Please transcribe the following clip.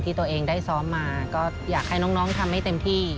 ตัวเองได้ซ้อมมาก็อยากให้น้องทำให้เต็มที่